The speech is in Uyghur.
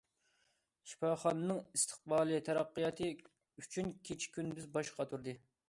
شىپاخانىنىڭ ئىستىقبالى، تەرەققىياتى ئۈچۈن كېچە- كۈندۈز باش قاتۇردى.